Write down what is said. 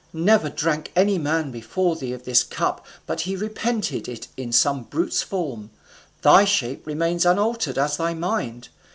Never drank any man before thee of this cup but he repented it in some brute's form. Thy shape remains unaltered as thy mind.